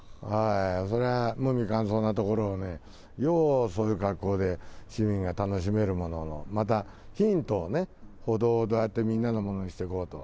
そりゃ無味乾燥な所をね、よう、そういう格好で、市民が楽しめるものを、またヒントをね、歩道をどうやってみんなのものにしていこうと。